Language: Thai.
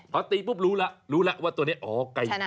พอตีปุ๊บรู้ละว่าตัวนี้